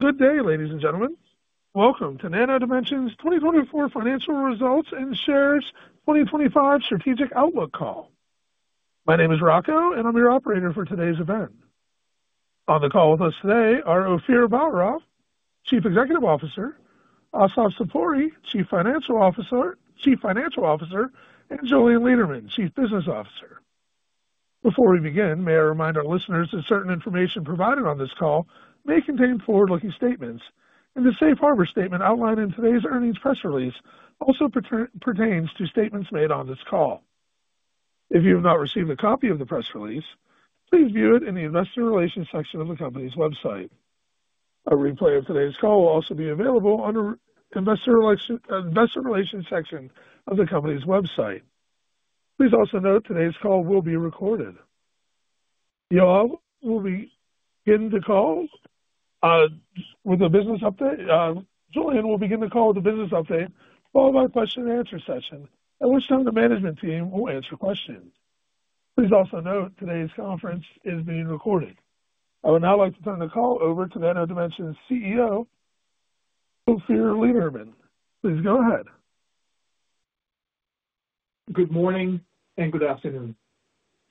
Good day, ladies and gentlemen. Welcome to Nano Dimension's 2024 financial results and shares 2025 strategic outlook call. My name is Rocco, and I'm your operator for today's event. On the call with us today are Ofir Baharav, Chief Executive Officer; Assaf Zipori, Chief Financial Officer; and Julien Lederman, Chief Business Officer. Before we begin, may I remind our listeners that certain information provided on this call may contain forward-looking statements, and the Safe Harbor statement outlined in today's earnings press release also pertains to statements made on this call. If you have not received a copy of the press release, please view it in the investor relations section of the company's website. A replay of today's call will also be available under the investor relations section of the company's website. Please also note today's call will be recorded. Yoav will begin the call with a business update. Julien will begin the call with a business update, followed by a question-and-answer session, at which time the management team will answer questions. Please also note today's conference is being recorded. I would now like to turn the call over to Nano Dimension's CEO, Ofir Baharav. Please go ahead. Good morning and good afternoon.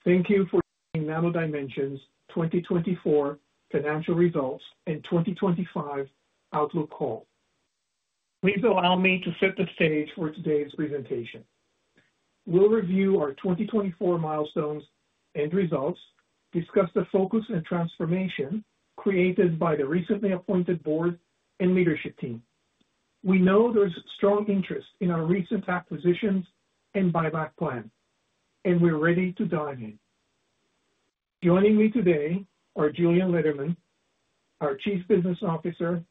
Thank you for joining Nano Dimension's 2024 financial results and 2025 outlook call. Please allow me to set the stage for today's presentation. We'll review our 2024 milestones and results, discuss the focus and transformation created by the recently appointed board and leadership team. We know there's strong interest in our recent acquisitions and buyback plan, and we're ready to dive in. Joining me today are Julien Lederman, our Chief Business Officer,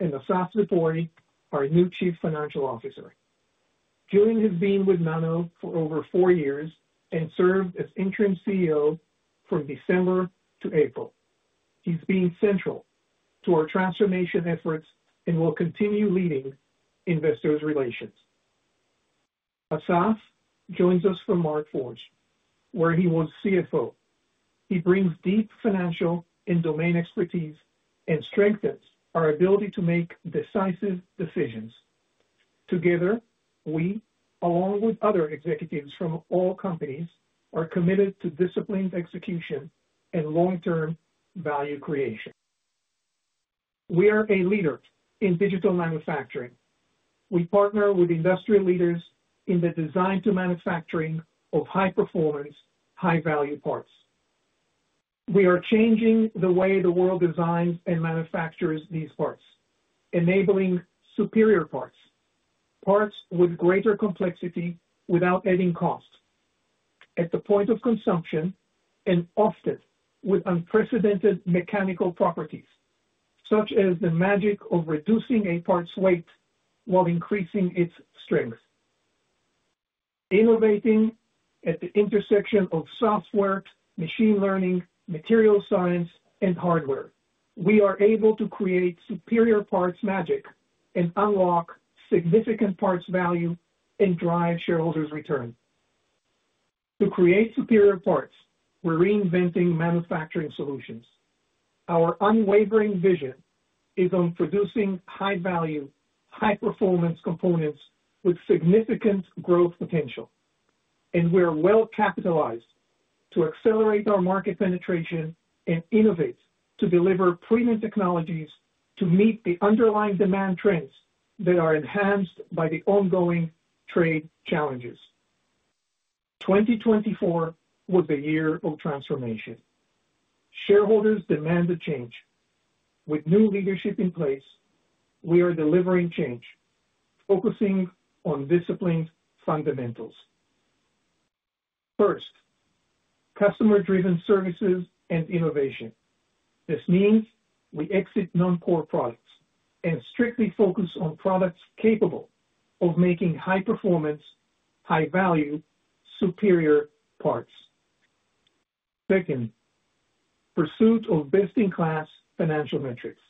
and Assaf Zipori, our new Chief Financial Officer. Julien has been with Nano for over four years and served as interim CEO from December to April. He's been central to our transformation efforts and will continue leading investor relations. Assaf joins us from Markforged, where he was CFO. He brings deep financial and domain expertise and strengthens our ability to make decisive decisions. Together, we, along with other executives from all companies, are committed to disciplined execution and long-term value creation. We are a leader in digital manufacturing. We partner with industry leaders in the design to manufacturing of high-performance, high-value parts. We are changing the way the world designs and manufactures these parts, enabling superior parts, parts with greater complexity without adding cost, at the point of consumption and often with unprecedented mechanical properties, such as the magic of reducing a part's weight while increasing its strength. Innovating at the intersection of software, machine learning, material science, and hardware, we are able to create superior parts magic and unlock significant parts value and drive shareholders' return. To create superior parts, we're reinventing manufacturing solutions. Our unwavering vision is on producing high-value, high-performance components with significant growth potential, and we're well-capitalized to accelerate our market penetration and innovate to deliver premium technologies to meet the underlying demand trends that are enhanced by the ongoing trade challenges. 2024 was a year of transformation. Shareholders demanded change. With new leadership in place, we are delivering change, focusing on disciplined fundamentals. First, customer-driven services and innovation. This means we exit non-core products and strictly focus on products capable of making high-performance, high-value, superior parts. Second, pursuit of best-in-class financial metrics.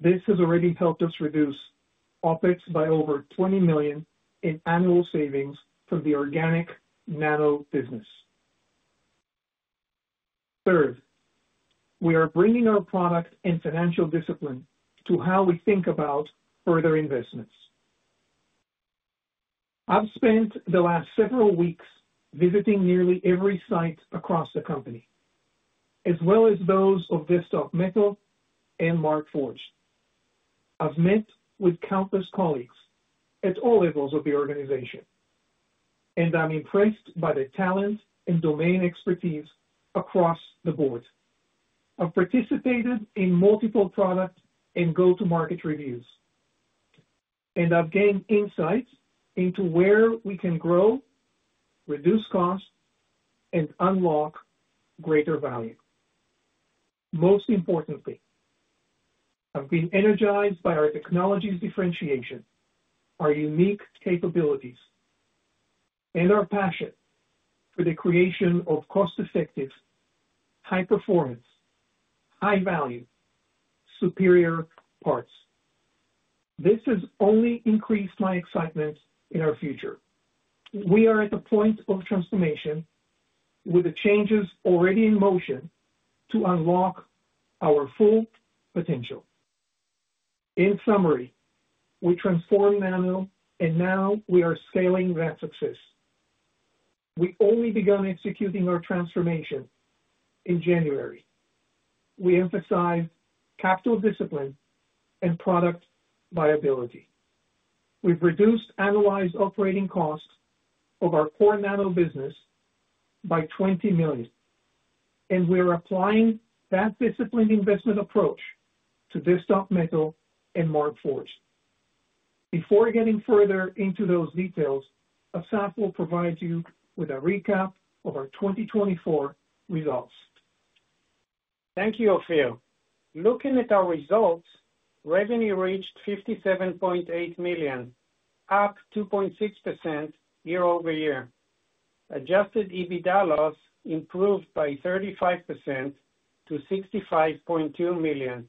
This has already helped us reduce OPEX by over $20 million in annual savings from the organic Nano business. Third, we are bringing our product and financial discipline to how we think about further investments. I've spent the last several weeks visiting nearly every site across the company, as well as those of Desktop Metal and Markforged. I've met with countless colleagues at all levels of the organization, and I'm impressed by the talent and domain expertise across the board. I've participated in multiple product and go-to-market reviews, and I've gained insights into where we can grow, reduce cost, and unlock greater value. Most importantly, I've been energized by our technology's differentiation, our unique capabilities, and our passion for the creation of cost-effective, high-performance, high-value, superior parts. This has only increased my excitement in our future. We are at the point of transformation, with the changes already in motion, to unlock our full potential. In summary, we transformed Nano Dimension, and now we are scaling that success. We only began executing our transformation in January. We emphasized capital discipline and product viability. We've reduced analyzed operating costs of our core Nano Dimension business by $20 million, and we're applying that disciplined investment approach to Desktop Metal and Markforged. Before getting further into those details, Assaf will provide you with a recap of our 2024 results. Thank you, Ofir. Looking at our results, revenue reached $57.8 million, up 2.6% year-over-year. Adjusted EBITDA loss improved by 35% to $65.2 million.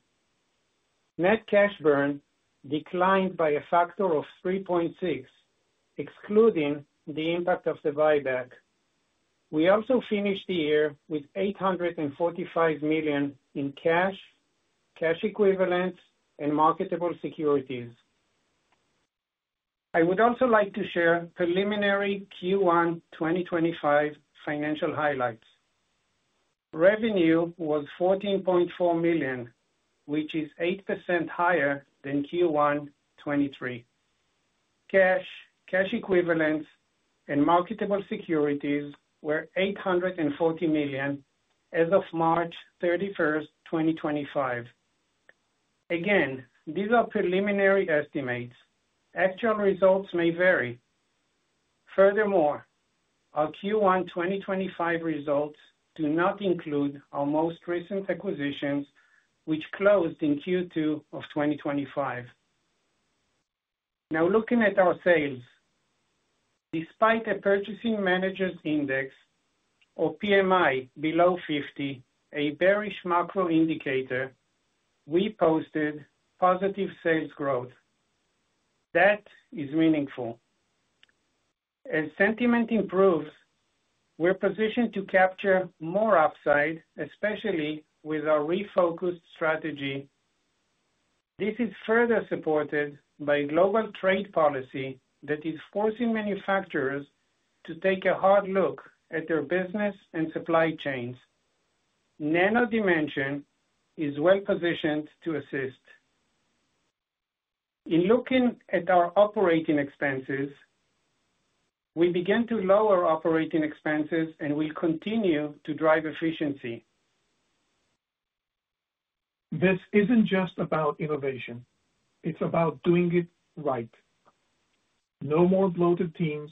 Net cash burn declined by a factor of 3.6, excluding the impact of the buyback. We also finished the year with $845 million in cash, cash equivalents, and marketable securities. I would also like to share preliminary Q1 2025 financial highlights. Revenue was $14.4 million, which is 8% higher than Q1 2023. Cash, cash equivalents, and marketable securities were $840 million as of March 31, 2025. Again, these are preliminary estimates. Actual results may vary. Furthermore, our Q1 2025 results do not include our most recent acquisitions, which closed in Q2 of 2025. Now, looking at our sales, despite the Purchasing Managers Index, or PMI, below 50, a bearish macro indicator, we posted positive sales growth. That is meaningful. As sentiment improves, we're positioned to capture more upside, especially with our refocused strategy. This is further supported by global trade policy that is forcing manufacturers to take a hard look at their business and supply chains. Nano Dimension is well-positioned to assist. In looking at our operating expenses, we began to lower operating expenses and will continue to drive efficiency. This isn't just about innovation. It's about doing it right. No more bloated teams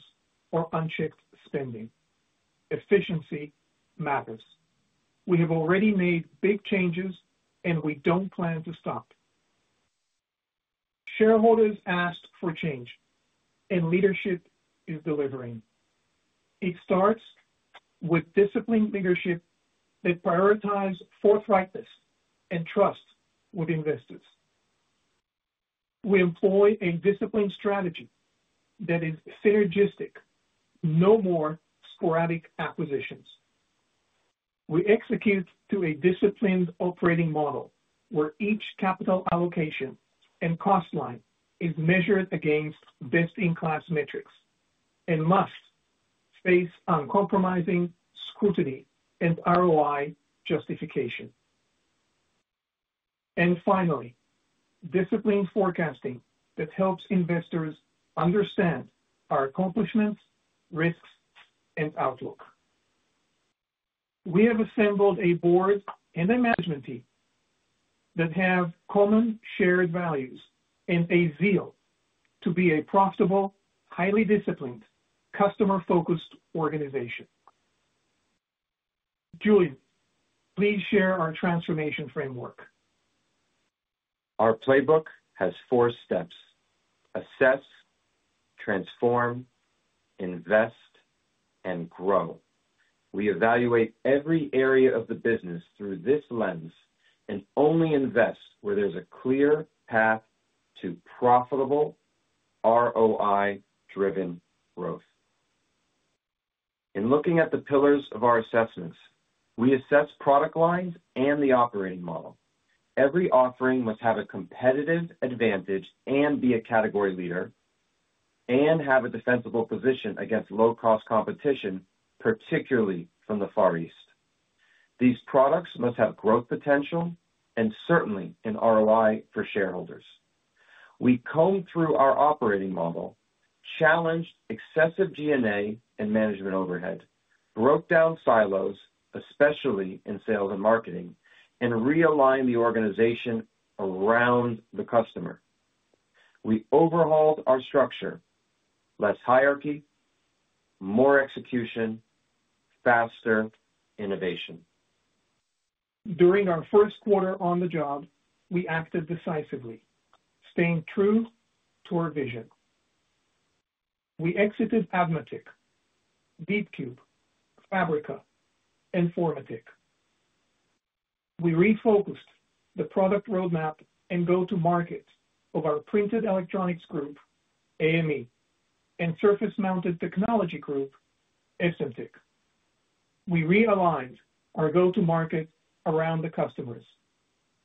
or unchecked spending. Efficiency matters. We have already made big changes, and we don't plan to stop. Shareholders ask for change, and leadership is delivering. It starts with disciplined leadership that prioritizes forthrightness and trust with investors. We employ a disciplined strategy that is synergistic. No more sporadic acquisitions. We execute to a disciplined operating model where each capital allocation and cost line is measured against best-in-class metrics and must face uncompromising scrutiny and ROI justification. Finally, disciplined forecasting that helps investors understand our accomplishments, risks, and outlook. We have assembled a board and a management team that have common shared values and a zeal to be a profitable, highly disciplined, customer-focused organization. Julien, please share our transformation framework. Our playbook has four steps: assess, transform, invest, and grow. We evaluate every area of the business through this lens and only invest where there's a clear path to profitable, ROI-driven growth. In looking at the pillars of our assessments, we assess product lines and the operating model. Every offering must have a competitive advantage and be a category leader and have a defensible position against low-cost competition, particularly from the Far East. These products must have growth potential and certainly an ROI for shareholders. We combed through our operating model, challenged excessive G&A and management overhead, broke down silos, especially in sales and marketing, and realigned the organization around the customer. We overhauled our structure: less hierarchy, more execution, faster innovation. During our first quarter on the job, we acted decisively, staying true to our vision. We exited Admatec, DeepCube, Fabrica, and Formatec. We refocused the product roadmap and go-to-market of our printed electronics group, AME, and surface-mounted technology group, Essentium. We realigned our go-to-market around the customers,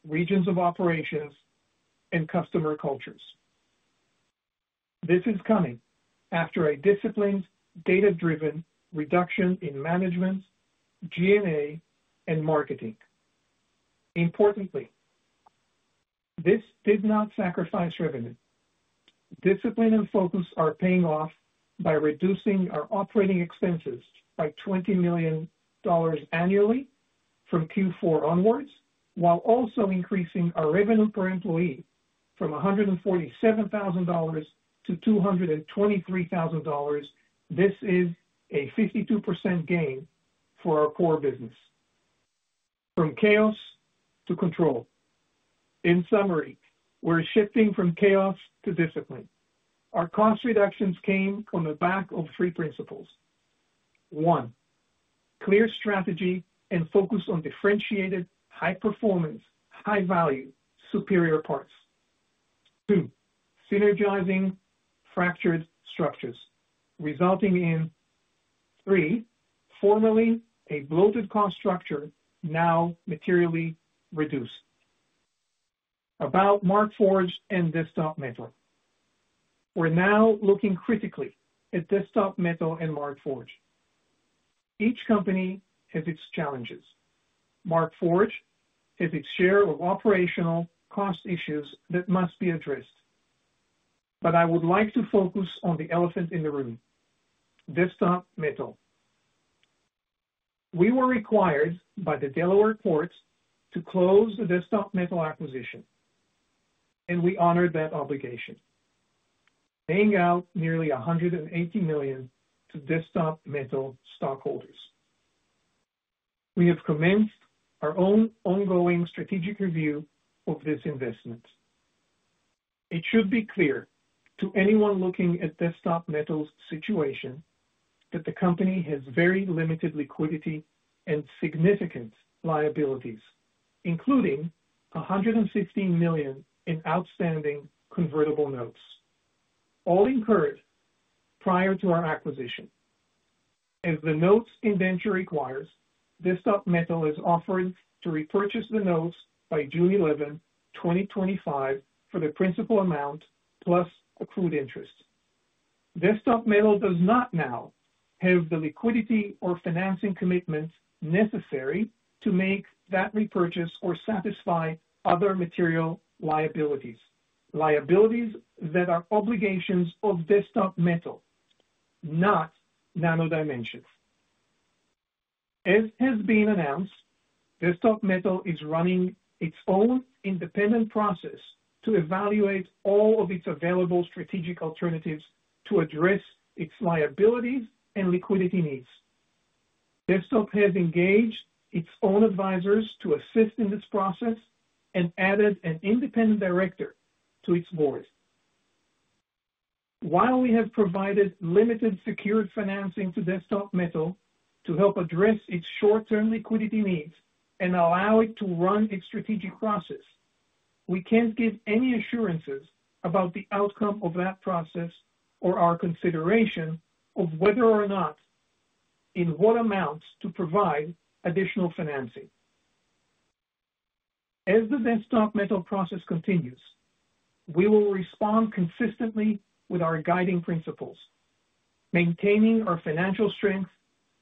regions of operations, and customer cultures. This is coming after a disciplined, data-driven reduction in management, G&A, and marketing. Importantly, this did not sacrifice revenue. Discipline and focus are paying off by reducing our operating expenses by $20 million annually from Q4 onwards, while also increasing our revenue per employee from $147,000-$223,000. This is a 52% gain for our core business. From chaos to control. In summary, we're shifting from chaos to discipline. Our cost reductions came from the back of three principles: one, clear strategy and focus on differentiated, high-performance, high-value, superior parts; two, synergizing fractured structures, resulting in three, formerly a bloated cost structure, now materially reduced. About Markforged and Desktop Metal. We're now looking critically at Desktop Metal and Markforged. Each company has its challenges. Markforged has its share of operational cost issues that must be addressed. I would like to focus on the elephant in the room: Desktop Metal. We were required by the Delaware courts to close the Desktop Metal acquisition, and we honored that obligation, paying out nearly $180 million to Desktop Metal stockholders. We have commenced our own ongoing strategic review of this investment. It should be clear to anyone looking at Desktop Metal's situation that the company has very limited liquidity and significant liabilities, including $115 million in outstanding convertible notes, all incurred prior to our acquisition. As the notes inventory requires, Desktop Metal is offered to repurchase the notes by June 11, 2025, for the principal amount plus accrued interest. Desktop Metal does not now have the liquidity or financing commitments necessary to make that repurchase or satisfy other material liabilities, liabilities that are obligations of Desktop Metal, not Nano Dimension. As has been announced, Desktop Metal is running its own independent process to evaluate all of its available strategic alternatives to address its liabilities and liquidity needs. Desktop Metal has engaged its own advisors to assist in this process and added an independent director to its board. While we have provided limited secured financing to Desktop Metal to help address its short-term liquidity needs and allow it to run its strategic process, we can't give any assurances about the outcome of that process or our consideration of whether or not, in what amounts, to provide additional financing. As the Desktop Metal process continues, we will respond consistently with our guiding principles, maintaining our financial strength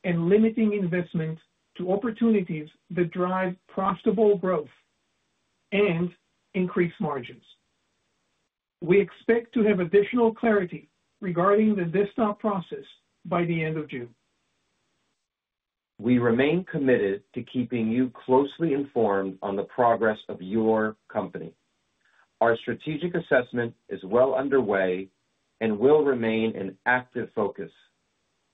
and limiting investment to opportunities that drive profitable growth and increase margins. We expect to have additional clarity regarding the Desktop Metal process by the end of June. We remain committed to keeping you closely informed on the progress of your company. Our strategic assessment is well underway and will remain an active focus.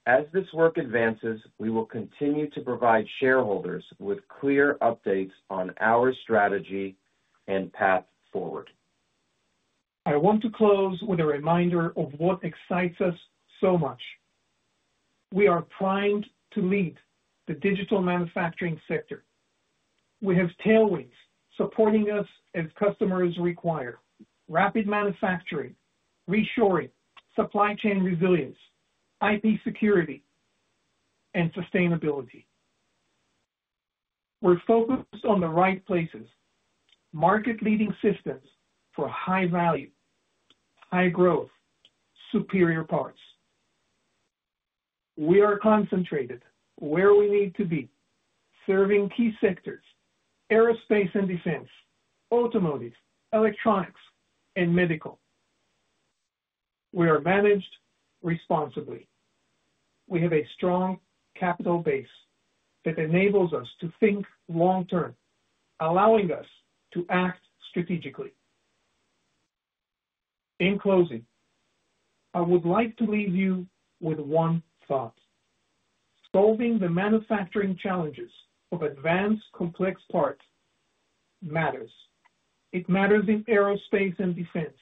As this work advances, we will continue to provide shareholders with clear updates on our strategy and path forward. I want to close with a reminder of what excites us so much. We are primed to lead the digital manufacturing sector. We have tailwinds supporting us as customers require: rapid manufacturing, reshoring, supply chain resilience, IP security, and sustainability. We're focused on the right places: market-leading systems for high value, high growth, superior parts. We are concentrated where we need to be, serving key sectors: aerospace and defense, automotive, electronics, and medical. We are managed responsibly. We have a strong capital base that enables us to think long-term, allowing us to act strategically. In closing, I would like to leave you with one thought: solving the manufacturing challenges of advanced, complex parts matters. It matters in aerospace and defense.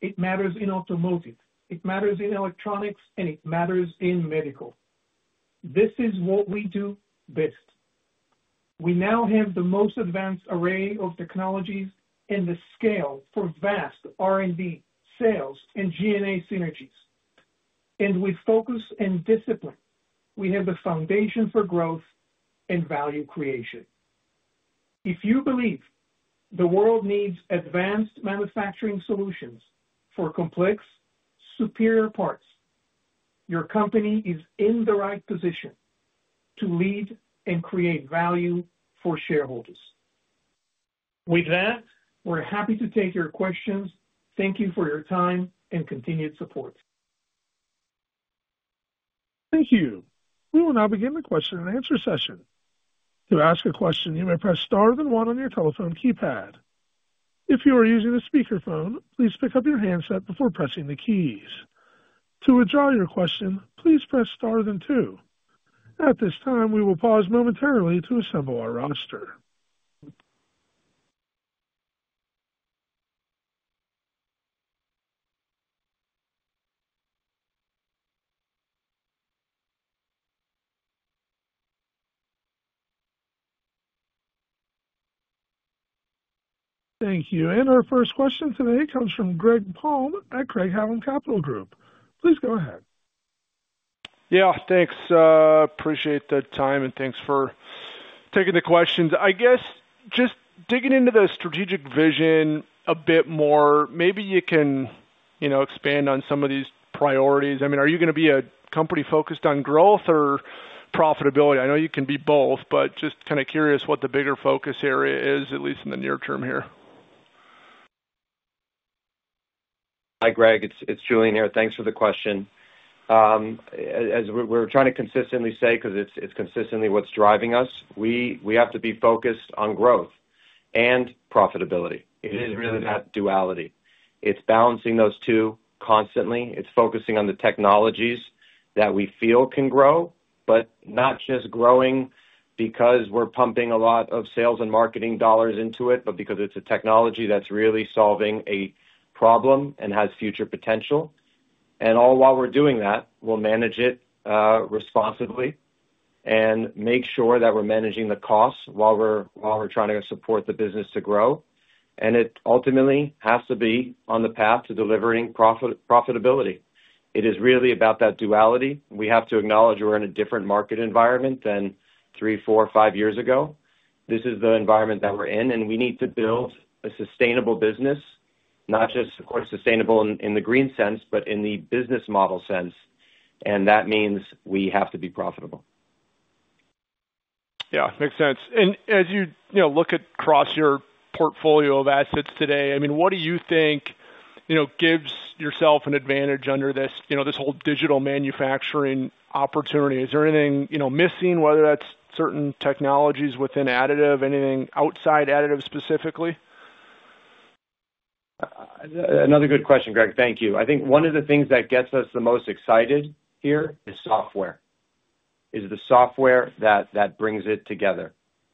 It matters in automotive. It matters in electronics, and it matters in medical. This is what we do best. We now have the most advanced array of technologies and the scale for vast R&D, sales, and G&A synergies. With focus and discipline, we have the foundation for growth and value creation. If you believe the world needs advanced manufacturing solutions for complex, superior parts, your company is in the right position to lead and create value for shareholders. With that, we're happy to take your questions. Thank you for your time and continued support. Thank you. We will now begin the question-and-answer session. To ask a question, you may press star then one on your telephone keypad. If you are using a speakerphone, please pick up your handset before pressing the keys. To withdraw your question, please press star then two. At this time, we will pause momentarily to assemble our roster. Thank you. Our first question today comes from Greg Palm at Craig-Hallum Capital Group. Please go ahead. Yeah, thanks. Appreciate the time, and thanks for taking the questions. I guess just digging into the strategic vision a bit more, maybe you can expand on some of these priorities. I mean, are you going to be a company focused on growth or profitability? I know you can be both, but just kind of curious what the bigger focus area is, at least in the near term here. Hi, Greg. It's Julien here. Thanks for the question. As we're trying to consistently say, because it's consistently what's driving us, we have to be focused on growth and profitability. It is really that duality. It's balancing those two constantly. It's focusing on the technologies that we feel can grow, not just growing because we're pumping a lot of sales and marketing dollars into it, but because it's a technology that's really solving a problem and has future potential. All while we're doing that, we'll manage it responsibly and make sure that we're managing the costs while we're trying to support the business to grow. It ultimately has to be on the path to delivering profitability. It is really about that duality. We have to acknowledge we're in a different market environment than three, four, five years ago. This is the environment that we're in, and we need to build a sustainable business, not just, of course, sustainable in the green sense, but in the business model sense. That means we have to be profitable. Yeah, makes sense. As you look across your portfolio of assets today, I mean, what do you think gives yourself an advantage under this whole digital manufacturing opportunity? Is there anything missing, whether that's certain technologies within additive, anything outside additive specifically? Another good question, Greg. Thank you. I think one of the things that gets us the most excited here is software, is the software that brings it together.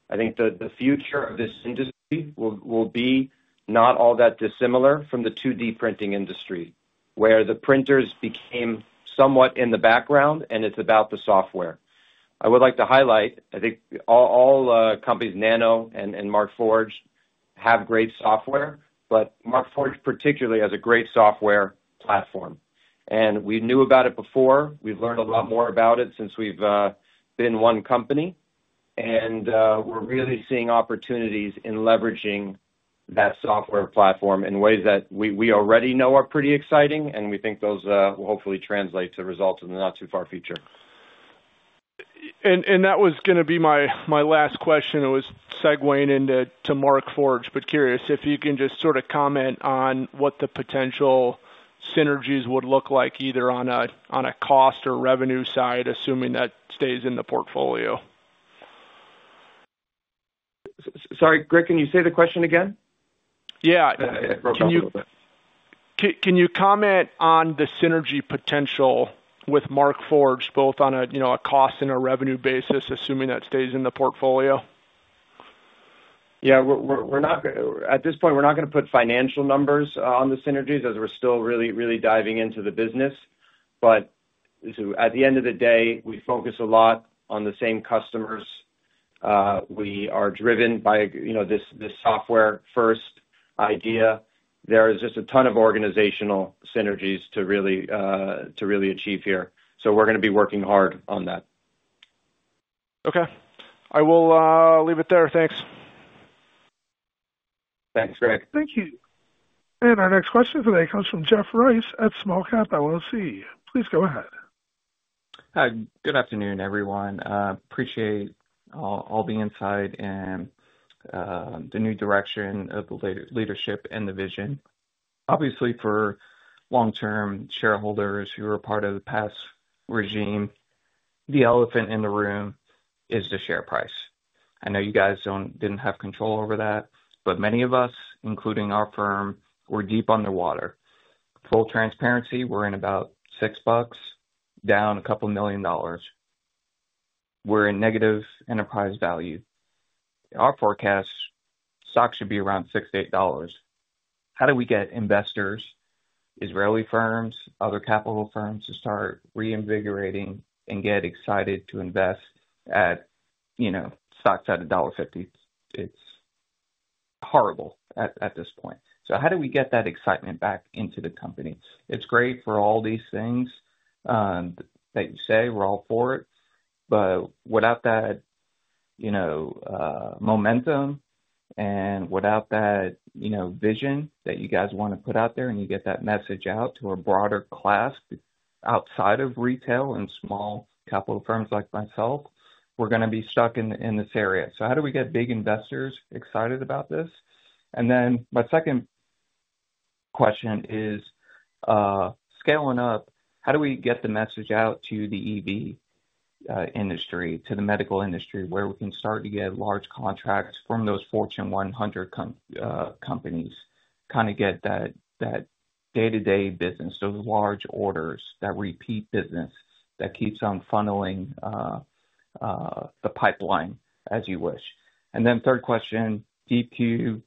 I think the future of this industry will be not all that dissimilar from the 2D printing industry, where the printers became somewhat in the background, and it's about the software. I would like to highlight, I think all companies, Nano and Markforged, have great software, but Markforged particularly has a great software platform. And we knew about it before. We've learned a lot more about it since we've been one company. We're really seeing opportunities in leveraging that software platform in ways that we already know are pretty exciting, and we think those will hopefully translate to results in the not too far future. That was going to be my last question. It was segueing into Markforged, but curious if you can just sort of comment on what the potential synergies would look like, either on a cost or revenue side, assuming that stays in the portfolio. Sorry, Greg, can you say the question again? Yeah. Can you comment on the synergy potential with Markforged, both on a cost and a revenue basis, assuming that stays in the portfolio? Yeah. At this point, we're not going to put financial numbers on the synergies as we're still really, really diving into the business. At the end of the day, we focus a lot on the same customers. We are driven by this software-first idea. There is just a ton of organizational synergies to really achieve here. We are going to be working hard on that. Okay. I will leave it there. Thanks. Thanks, Greg. Thank you. Our next question today comes from Jeff Rice at Smallcap. Good afternoon, everyone. Appreciate all the insight and the new direction of the leadership and the vision. Obviously, for long-term shareholders who are part of the past regime, the elephant in the room is the share price. I know you guys didn't have control over that, but many of us, including our firm, were deep underwater. Full transparency, we're in about $6, down a couple of million dollars. We're in negative enterprise value. Our forecast, stocks should be around $6-$8. How do we get investors, Israeli firms, other capital firms to start reinvigorating and get excited to invest at stocks at $1.50? It's horrible at this point. How do we get that excitement back into the company? It's great for all these things that you say, we're all for it. Without that momentum and without that vision that you guys want to put out there and you get that message out to a broader class outside of retail and small capital firms like myself, we're going to be stuck in this area. How do we get big investors excited about this? My second question is scaling up. How do we get the message out to the EV industry, to the medical industry, where we can start to get large contracts from those Fortune 100 companies, kind of get that day-to-day business, those large orders, that repeat business that keeps on funneling the pipeline as you wish? Third question, DeepCube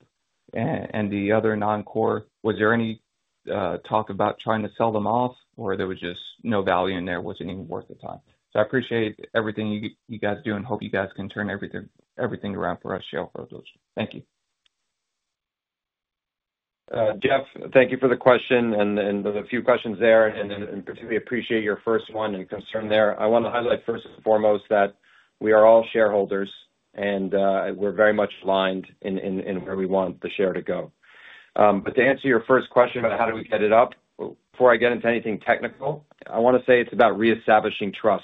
and the other non-core, was there any talk about trying to sell them off or there was just no value in there? Was it even worth the time? I appreciate everything you guys do and hope you guys can turn everything around for us shareholders. Thank you. Jeff, thank you for the question and the few questions there. I particularly appreciate your first one and concern there. I want to highlight first and foremost that we are all shareholders and we're very much aligned in where we want the share to go. To answer your first question about how do we get it up, before I get into anything technical, I want to say it's about reestablishing trust.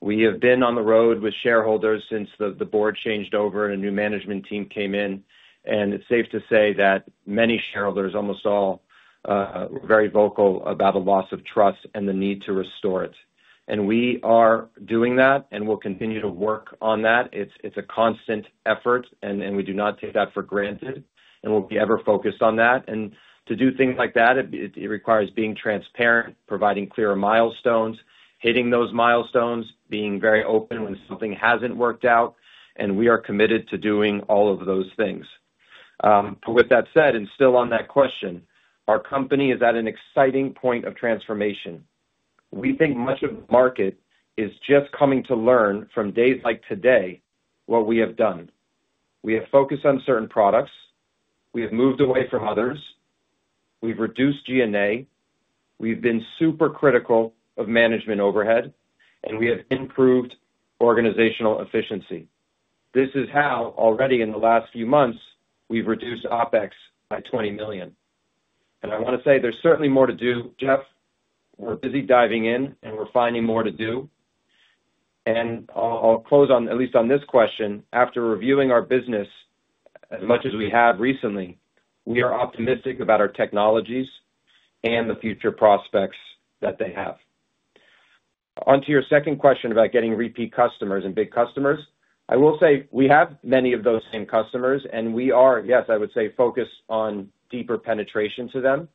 We have been on the road with shareholders since the board changed over and a new management team came in. It's safe to say that many shareholders, almost all, were very vocal about a loss of trust and the need to restore it. We are doing that and we'll continue to work on that. It's a constant effort and we do not take that for granted. We'll be ever focused on that. To do things like that, it requires being transparent, providing clear milestones, hitting those milestones, being very open when something has not worked out. We are committed to doing all of those things. With that said, and still on that question, our company is at an exciting point of transformation. We think much of the market is just coming to learn from days like today what we have done. We have focused on certain products. We have moved away from others. We have reduced G&A. We have been super critical of management overhead, and we have improved organizational efficiency. This is how, already in the last few months, we have reduced OPEX by $20 million. I want to say there is certainly more to do. Jeff, we are busy diving in and we are finding more to do. I'll close on, at least on this question, after reviewing our business as much as we have recently, we are optimistic about our technologies and the future prospects that they have. Onto your second question about getting repeat customers and big customers, I will say we have many of those same customers and we are, yes, I would say, focused on deeper penetration to them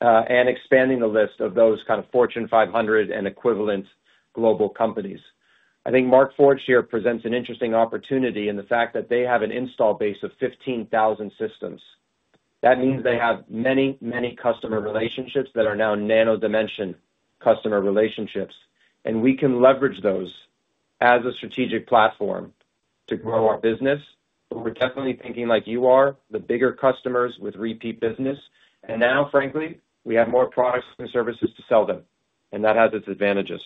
and expanding the list of those kind of Fortune 500 and equivalent global companies. I think Markforged here presents an interesting opportunity in the fact that they have an install base of 15,000 systems. That means they have many, many customer relationships that are now Nano Dimension customer relationships. We can leverage those as a strategic platform to grow our business. We're definitely thinking like you are, the bigger customers with repeat business. Frankly, we have more products and services to sell them. That has its advantages.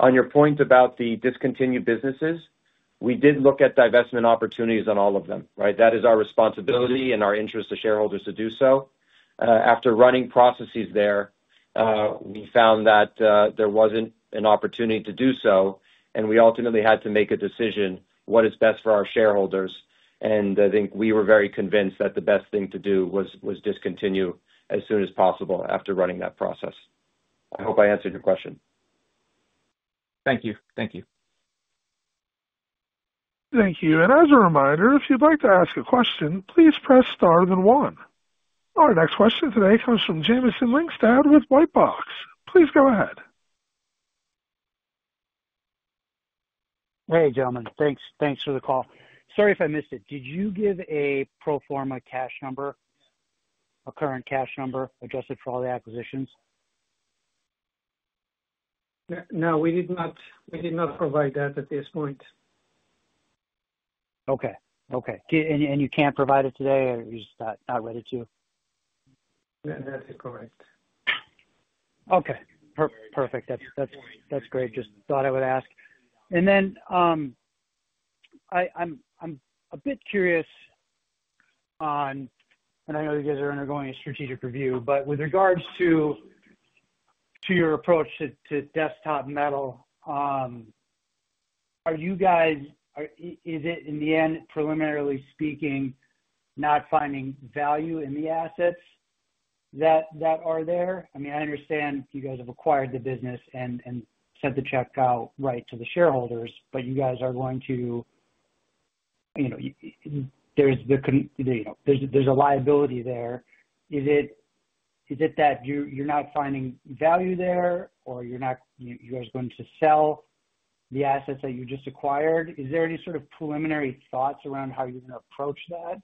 On your point about the discontinued businesses, we did look at divestment opportunities on all of them, right? That is our responsibility and our interest to shareholders to do so. After running processes there, we found that there was not an opportunity to do so. We ultimately had to make a decision, what is best for our shareholders? I think we were very convinced that the best thing to do was discontinue as soon as possible after running that process. I hope I answered your question. Thank you. Thank you. Thank you. As a reminder, if you'd like to ask a question, please press star then one. Our next question today comes from Jamison Lyngstad with White Box. Please go ahead. Hey, gentlemen. Thanks for the call. Sorry if I missed it. Did you give a pro forma cash number, a current cash number adjusted for all the acquisitions? No, we did not provide that at this point. Okay. Okay. You can't provide it today or you're just not ready to? That is correct. Okay. Perfect. That's great. Just thought I would ask. I am a bit curious on, and I know you guys are undergoing a strategic review, but with regards to your approach to Desktop Metal, are you guys, is it in the end, preliminarily speaking, not finding value in the assets that are there? I mean, I understand you guys have acquired the business and sent the check out right to the shareholders, but you guys are going to, there's a liability there. Is it that you're not finding value there or you guys are going to sell the assets that you just acquired? Is there any sort of preliminary thoughts around how you're going to approach that?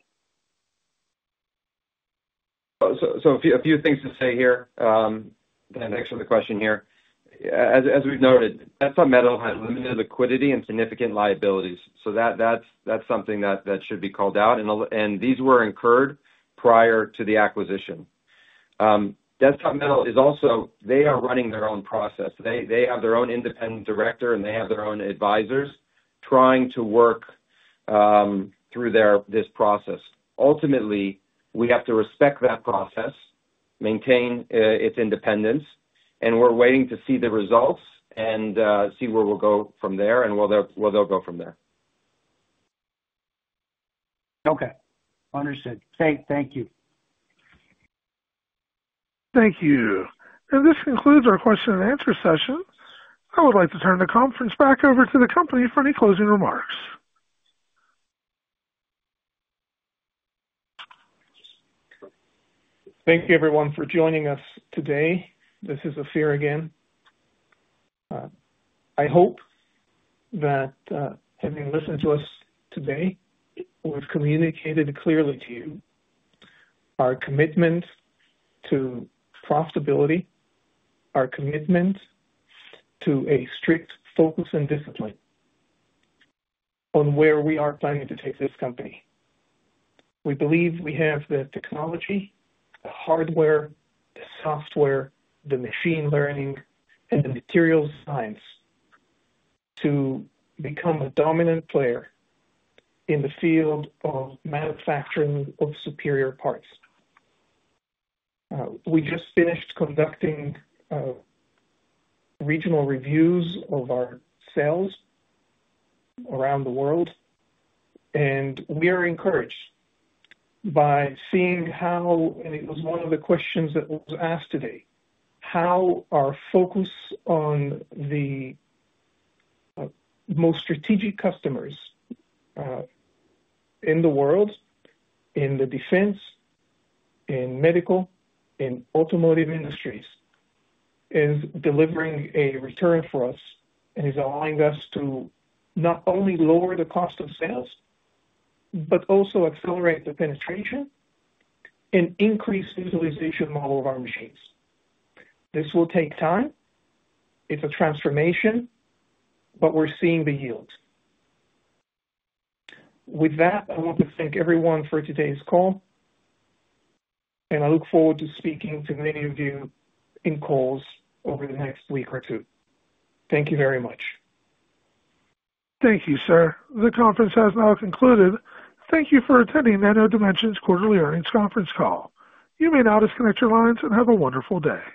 A few things to say here. Thanks for the question here. As we've noted, Desktop Metal has limited liquidity and significant liabilities. That's something that should be called out. These were incurred prior to the acquisition. Desktop Metal is also running their own process. They have their own independent director and they have their own advisors trying to work through this process. Ultimately, we have to respect that process, maintain its independence, and we're waiting to see the results and see where we'll go from there and where they'll go from there. Okay. Understood. Thank you. Thank you. This concludes our question and answer session. I would like to turn the conference back over to the company for any closing remarks. Thank you, everyone, for joining us today. This is Ofir again. I hope that having listened to us today, we've communicated clearly to you our commitment to profitability, our commitment to a strict focus and discipline on where we are planning to take this company. We believe we have the technology, the hardware, the software, the machine learning, and the material science to become a dominant player in the field of manufacturing of superior parts. We just finished conducting regional reviews of our sales around the world. We are encouraged by seeing how, and it was one of the questions that was asked today, how our focus on the most strategic customers in the world, in the defense, in medical, in automotive industries, is delivering a return for us and is allowing us to not only lower the cost of sales, but also accelerate the penetration and increase the utilization model of our machines. This will take time. It's a transformation, but we're seeing the yield. With that, I want to thank everyone for today's call. I look forward to speaking to many of you in calls over the next week or two. Thank you very much. Thank you, sir. The conference has now concluded. Thank you for attending Nano Dimension's quarterly earnings conference call. You may now disconnect your lines and have a wonderful day.